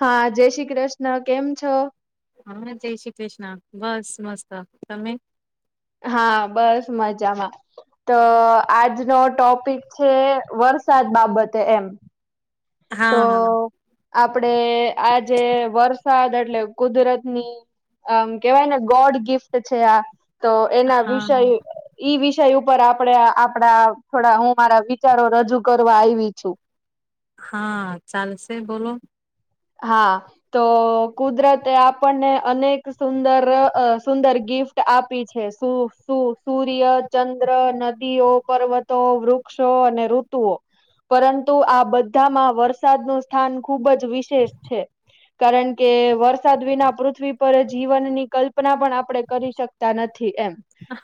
હા, જય શ્રી કૃષ્ણ કેમ છો. હા, જય શ્રી કૃષ્ણ બસ મસ્ત તમે હા, બસ મજામાં તો આજનો ટોપિક છે. વરસાદ વરસાદ બાબતે એમ હા તો આ. આપડે આજે વરસાદ, એટલે કુદરતની આમ કેવાય ને ગોડ ગિફ્ટ છે, આ તો એના વિષય હા ઈ વિષ ય ઉપર આપડે આપડા થોડા હુ, મારા વિચારો રજૂ કરવા આયવી છુ. હા, ચાલશે બોલો હા, તો કુદરતે આપણને અનેક સુંદર અ સુંદર ગી ફ્ટ આપી છે, સુ સુ સૂર્ય ચંદ્ર નદીઓ પર્વતો વૃક્ષ ઓ અને ઋતુઓ પરંતુ, આ બધામાં વરસાદનુ સ્થાન ખુબ જ વિ શેષ છે. કારણ કે વરસાદ વિના પૃથ્વી પર જીવનની કલ્પના પણ આપડે કરી શકતા નથી, એમ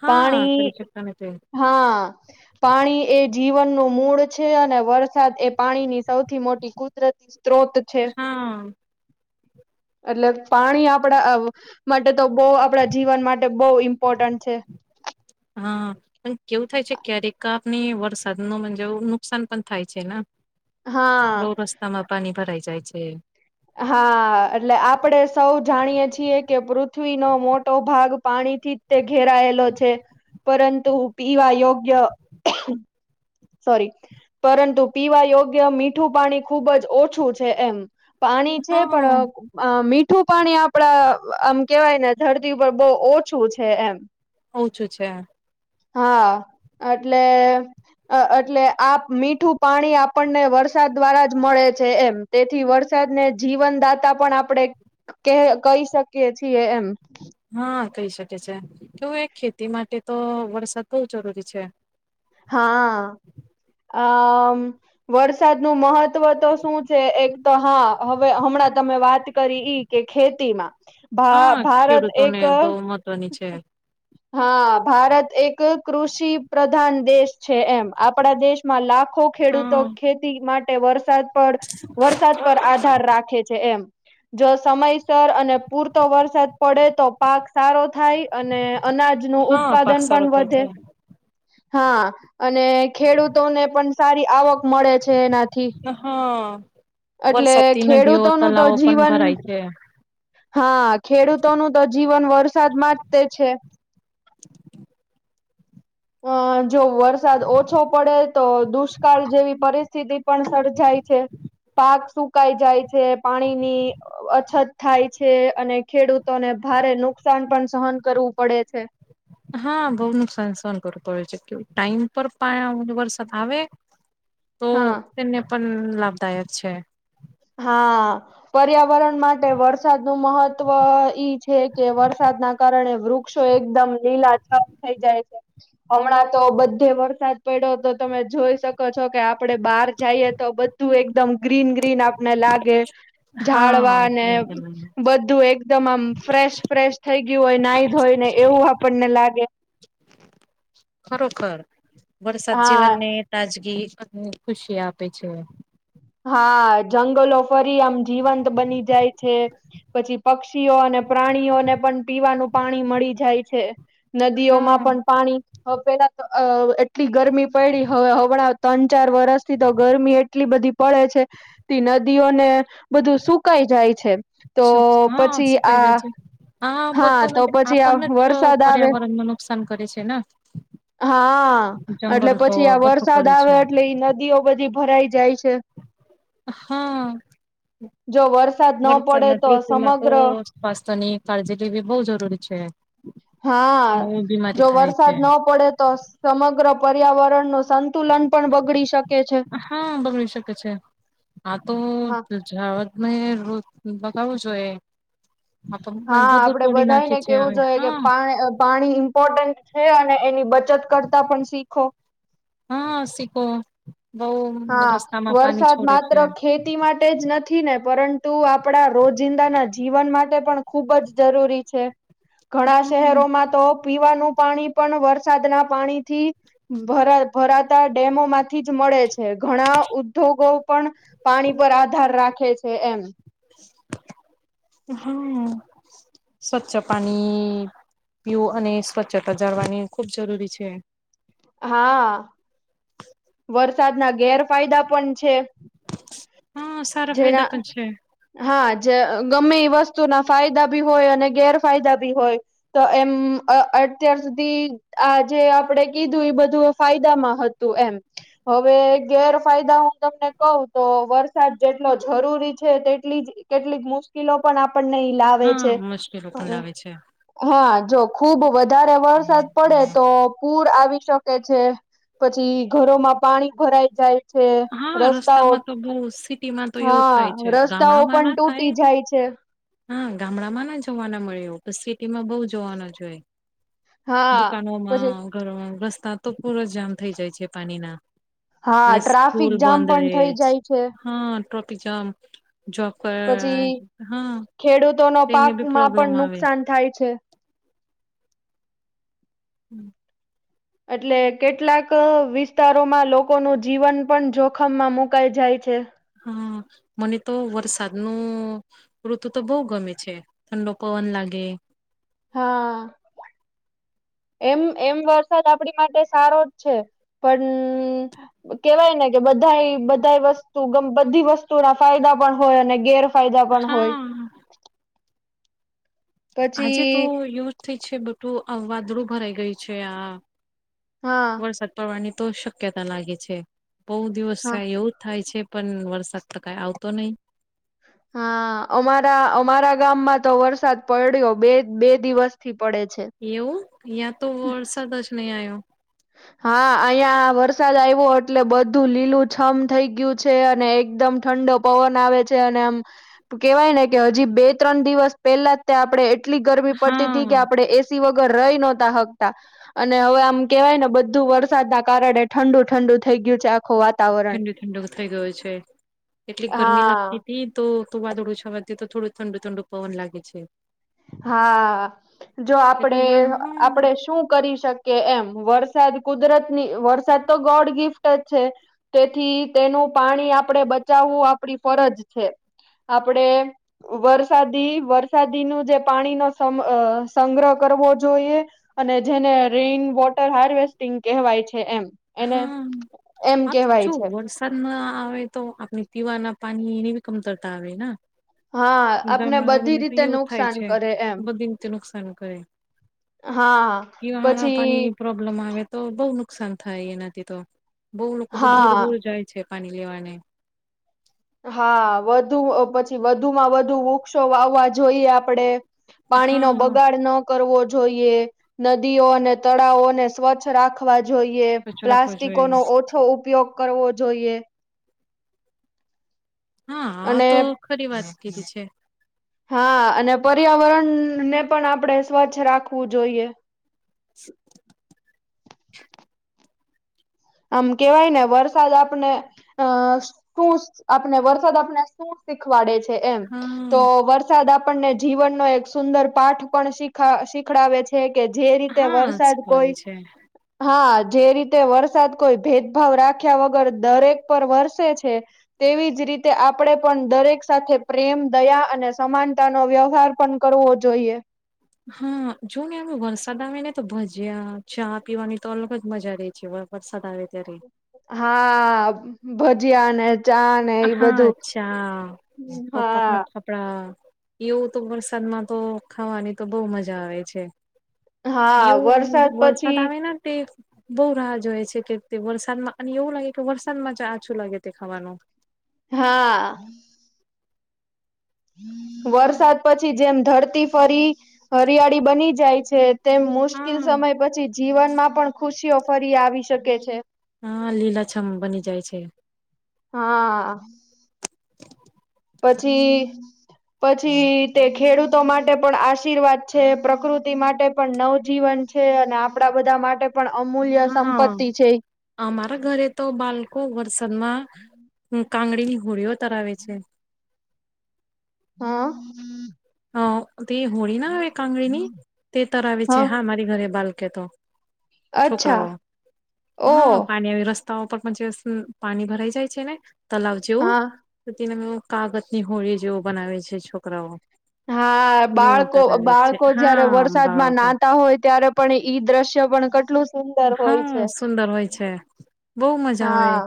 હા પાણી, કરી શકતા નથી હા પાણી એ જીવનનું મૂળ છે, અને વરસાદ એ પાણીની સૌથી મોટી કુદરતી સ્ત્રોત છે. [inaudible] [inaudible] એટલે પાણી આપડા અ માટે તો બોવ આપડા જીવન, માટે બહુ ઇમ્પોર્ટન્ટ છે. [inaudible] હા, પણ કેવું થાય છે. ક્યારેક આપને વરસાદ નો [unintelligible] નુકસાન પણ થાય છેને. હા. બહ રસ્તામાં પાણી ભરાઈ જાય છે. હા, એટલે આપડે સૌ જાણીએ છીએ કે પૃથ્વીનો મોટો ભાગ પાણી થી જ તે ઘેરાયેલો છે, પરંતુ પીવા યોગ્ય સોરી પરંતુ પીવા યોગ્ય મીઠું પાણી ખુબ જ ઓછું છે, એમ પાણી છે, પણ હા અ મીઠ ઠુ પાણી આપડા આમ કેવાય ને ધરતી ઉપર બહુ ઓછું છે, એમ. ઓછું છે. હા એટલે એટલે આ મીઠુ, પાણી આપણને વરસાદ દ્વારા જ મળે છે એમ તેથી વરસાદ ને જીવનદાતા પણ આપણેે કે કહી, શકીએ છીએ એમ. હા કહી શકે છે, કેવું એક ખેતી માટે તો વરસાદ બહુ જરૂરી છે. હા, આ અ વરસાદનુ મહત્ ત્વ તો શું છે, એક તો હા હવે હમણાં તમે વાત કરી ઈ કે ખેતી માં ભા, હા ભારત એક ખેડૂતોને બહુ મહત્વની છે હા, ભારત એક કૃષિ પ્રધાન દેશ છે. એમ આપડા દેશમાં લાખ ખો ખેડૂતો હા ખેતી માટે વરસાદ પર વરસાદ પર આધાર રાખે છે, એમ જો સમયસર અને પૂરતો વરસાદ પડે તો પાક સારો થાય અને અનાજ નું હા પાક ઉત્પાદન સારો પણ થાય વધે. હા, અને ખેડૂતોને પણ સારી આવક મળે છે, એનાથી છે હા એટલે વરસાદતી નદીઓ ખેડૂતોનુ, તો તલાવો પણ જીવન ભરાય છે. હા, ખેડૂતોનું તો જીવન વરસાદ માં જ તે છે. અ જો વરસાદ ઓછો, પડે તો દુષ્કાળ જેવી પરિસ્થિતિ પણ સર્જાય એ છે. પાક સુકાઈ જાય છે, પાણીની અછત થાય છે અને ખેડૂતોને ભારે નુકસાન પણ સહન કરવું પડે છે. હા, બઉ નુકસાન સહન કરવું પડે છે. કે ટાઈમ પર પા વરસાદ આવે તો હા તેને પણ લાભદાયક છે. હા પર્યાવરણ માટે વરસાદ નું મહત્વ ઈ છે, કે વરસાદના કારણે વૃક્ષો એકદમ લીલા છમ થઈ જાય છે. હમણાં તો બધે વરસાદ પડ્યો તો તમે જોઈ શકો છો કે આપડે બહાર જાઈએ તો બ ધૂ એકદમ ગ્રીન, ગ્રીન આપને લાગે હા ઝાડવા ને બધું એકદમ આમ ફ્રેશ ફ્રેશ થઈ ગ્યુ હોય, નાઈ ધોઈ ને એવું આપણને લાગે ખરોખર વરસાદ હા જીવનને તાજગી ખુશી આપે છે. હા, જંગલો ફરી આમ જીવંત બની જાય છે પછી પક્ષીઓ અને પ્રાણીઓને પણ પીવાનું પાણી મળી જાય છે. નદીઓમાં હા પણ પાણી હ, પેલા તો અ એટલી ગરમી પયડી હવે હમણાં ત્રણ ચાર વરસથી તો ગરમી એટલી બધી પડે છે, તે નદીઓને બધું સુકાઈ જાય છે. તો સુખ, હ પછી આ શુંકાઈ હ હા તો બધું પછી આ આપણને જ વરસાદ આવે પર્યાવરણમા નુકસાન કરે છેને હા, એટલે પછી આ બધું વરસાદ કરે આવે છે એટલે ઈ નદીઓ બધી ભરાઈ જાય છે. હા. જો વરસાદ ન પડે વરસાદના તો ઋતુમાં તો સમગ્ર સ્વાસ્થ્ય ની કાળજી લેવી બહ જરૂરી છે. હા, હું બીમારી જો થાય છે વરસાદ ન પડે તો સમગ્ર પર્યાવરણનુ સંતુલન, પણ બગડી શકે છે. હા, બગડી શકે છે આ તો હા જ મે રોજ, બગાવુ જોએ હા, આપડે બધા ને કેવું જોઈએ કે હા પા પાણી ઇમ્પોર્ટન્ટ છે, અને એની બચત બચત, કરતા પણ શીખો હા સિકો બઉ હા, રસ્તામાં પાણી વરસાદ છોડે માત્ર છે ખેતી માટે જ નથી ને પરંતુ આપડા રોજિંદાના જીવન, માટે પણ ખૂબજ જરૂરી છે. ઘણા હમ શહેરોમાં તો પીવાનું પાણી પણ વરસાદના, પાણી થી ભ ભરાતા ડેમો માંથી જ મળે છે. ઘણા ઉદ્યોગો પણ પાણી પર આધાર રાખે છે, એમ [inaudible] હમ, સવચ્છ પાણી. પીવુ, અને સ્વચ્છતા જાળવાની ખૂબ જરૂરી છે. હા. વરસાદ ના ગેરફાયદા, પણ છે. હા સારા જેના, ફાયદા પણ છે હા જે, ગમે એ વસ્તુ ના ફાયદા બી હોય અને ગેરફાયદા બી હોય, તો એમ અત્યાર સુધી આ જે આપડે કીધું એ બધું ફાયદામાં હતુ, એમ. હવે, ગેરફાયદા હું તમને કઉ તો વરસાદ જેટલો જરૂરી છે, તેટલો કેટલીક મુશ્કેલો, પણ આપ લાવે હા છે, મુશ્કેલો પણ લાવે છે હા જો ખુબ વધારે વરસાદ પડે તો પૂર આવી શકે છે, પછી ઘરોમાં, પાણી ભરાઈ જાય. છે. હા રસ્તાઓ રસ્તામાં તો બહુ સિટીમાં તો એવું હા થાય છે રસ્તાઓ ગામડામાં પણ ના થાય તૂટી જાય છે. હા, ગામડામા ના જોવાના મળ્યો સિટીમાં બવ જોવાના જોએ હા પછી દુકાનોમાં ઘરમાં રસ્તા તો પૂર જામ થઇ જાય છે. પાણીના હા એટલે ટ્રાફિક સ્કૂલ જામ બંધ પણ રે થઈ છ, જાય છે હા ટ્રોફિક, જામ્પ પછી [unintelligible] ખેડૂતોનો પાકમા પણ નુકસાન થાય છે. [inaudible] એટલે કેટલાક વિસ્તારોમાં લોકોનુ, જીવન પણ જોખમમાં મુકાઈ જાય છે. હ, મને તો વરસાદનુ ઋતુ તો બો ગમે છે. ઠંડો પવન લા ગે. હા. એમ એમ વરસાદ, આપડી માટે સારો જ છે. પણ કેવાય ને કે બધાઈ, બધાઈ વસ્તુ બધી વસ્તુ ના ફાયદા પણ હોય, અને ગેરફાયદા પણ હોય. હા. આજે, પછી તો યુંજ થઈ છે. બટું વાદળું ભરાઈ ગયું છે આ હા વરસાદ પડવાની તો શક્યતા લાગે છે, બહુ દિવસ હા થ્યાં એવું જ થાય છે. પણ વરસાદ, તો કાંઈ આવતો નહી હા, અમારા અમારા ગામમાં તો વરસાદ પડ્યો બે બે દિવસ થી એવું અ્યાં તો વરસાદ જ નહી, આવ્યો હા, અહિંયા વરસાદ આવ્યો એટલે બધું લીલું છમ થઈ ગયું છે, અને એકદમ આમ ઠંડો પવન આવે છે અને આમ કેવાય ને કે, હજી બે-ત્રણ દિવસ પહેલા જ તે આપડે એટલી ગરમી પડતી તી હા કે આપડે એસી વગર રઈ નહતા હકતા. અને હવે આમ કેવાયને બધું વરસાદના કારણે ઠંડુ-ઠંડુ થઈ ગયું છે. આખું વાતાવરણ ઠંડુ-ઠંડુ થઈ ગયુ છે. એટલી ગરમી હા લાગતી તી તો તો વાદળું છવાથી તો થોડું ઠંડુ-ઠંડુ પવન લાગે છે. હા, જો એટલે હા આપડે-આપડે હા શું કરી શકીએ? એમ. વર્ષ સારુ, કુદરતની વરસાદ તો ગોડ ગિફ્ટ જ છે. તેથી તેનું પાણી આપડે બચાવવું આપડી ફરજ છે. આપડે વરસાદી વરસાદીનું જે પાણીનો સમ અ સંગ્રહ કરવો જોઈએ. અને જેને રેન વોટર હાર્વેસ્ટ ટિંગ કહેવાય છે એમ. એને હન, એમ આ તો કહેવાય જો છે વરસાદ ન આવે તો આપણે પીવાના પાણી ની કમતરતા આવે ના હા આપને ગમ બધી ગમે તો રીતે એવું થાય નુકસાન છે, કરે એમ બધી રીતે નુકસાન કરે હા પીવા ના પછી પાણીની પ્રોબ્લેમ આવે તો બઉ ન નુકસાન થાય એના તો બહુ લોકો તો દૂર હા દૂર જાય છે, પાણી લેવાને હા, વધુ પછી, વધુમાં વધુ વૃક્ષો વાવવા જોઈએ આપડે પાણી, નો હા બગાડ ન કરવો જોઈએ, નદીઓ અને તળાવોને સ્વચ્છ રાખવા જોઈએ કચરો રાખવો પ્લાસ્ટિકો નો, જોઈએ ઓછો ઉપયોગ કરવો જોઈએ હા, આ અને તો ખરી વાત કીધી છે. હા, અને પર્યાવરણનને પણ આપણે સ્વચ્છ રાખવું જોઈએ [inaudible] આમ કેવાય, ને વરસાદ આપણે અ શું આપણે વરસાદ આપણે શુ શીખવાડે છે એમ તો હા વરસાદ આપ અને જીવનનો એક સુંદર પાઠ પણ શીખા શીખડાવે છે કે જે રીતે હા વરસાદ કોઈ શીખવાવે છે હા, જે રીતે વરસાદ કોઈ ભેદભાવ રાખ્યા વગર દરેક પર વરસે છે, તેવી જ રીતે આપડે પણ દરેક સાથે પ્રેમ દયા અને સમાનતાનો વ્યવહાર પણ કરવો જોઈએ. હા, જોઓ ને આમ વરસાદ આવે ને તો ભજીયા, ચા પીવાની તો અલગ જ મજા રે છે. તો વરસાદ આવે ત્યારે હા, ભજીયા અને હા, અચ્છા પપ હા પપના કપડા. [unintelligible] એવું તો વરસાદમાં તો ખાવાની તો બઉ મજા આવે છે. હા એવું વરસાદ પછી આવે ના તે બઉ રાહ જોય છે કે, તે વરસાદમાં અને એવું લાગે કે વરસાદમાં જ આછું લાગે તે ખાવાનું. હા. વરસાદ પછી જેમ ધરતી ફરી હરિયાળી બની જાય છે તેમ મુશ્કેલ હા. સમય પછી જીવનમાં પણ ખુશીઓ ફરી આવી શકે છે. હા, લીલા છમ બની જાય છે. [inaudible] પછી, પછી તે ખેડૂત તો માટે પણ આશીર્વાદ છે. પ્રકૃતિ માટે પણ નવજીવન છે. અને આપડા બધા માટે પણ અમૂલ્ય હા, સંપત્તિ છે અમારા ઘરે તો બાલકો વરસાદમાં કાંગડીની હોળીઓ તરાવે છે. હન. હન, તે હોળી ના આવે કાંગળની તે તરાવે છે. હા, મારી ઘરે બાલકે તો અચ્છા છોકરાઓ. ઓ હન. પાણી આવી રસ તા ઉપર પણ જેસ પાણી ભરાઈ જાય છે ને, તલાવ હા જેવું તેનમ એવુ કાગજની હોળી જેવુ બનાવે છે, છોકરાઓ. હા, એવું ધરાવે છે બાળકો-બાળકો જયારે હા વરસાદમાં બરોબર નાતા હોય ત્યારે પણ ઈ દ્રશ્ય પણ કટ સુંદર હોય હા છે. સુંદર હોય છે બહુ મજા આવે હા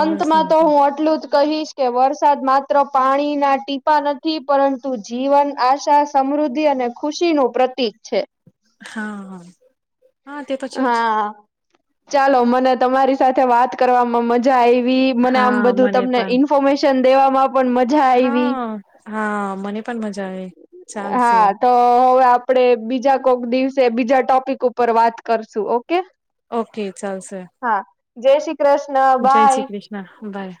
અંતમાં તો હું આટલું જ કહીશ કે વરસાદ માત્ર પાણીના ટીપા નથી પરંતુ જીવન આશા સમ્ સમૃદ્ધિ અને ખુશી નુ પ્રતિક છે. હા હ હા તે છેજ હા ચાલો મને તમારી સાથે વાત કરવામાં મજા આવી. વી મને આમ હા બધું મને તમને પણ ઇન્ફોર્મેશન દેવામાં પણ મજા આવી, હા હા મને પણ મજા આવે ચાલશે હા તો હવે આપડે બીજા કોક દિવસે બીજા ટોપિક ઉપર વાત કરશું ઓ ઓકે ચાલશે. જય શ્રી કૃષ્ણ જય બાય શ્રી કૃષ્ણ બાય.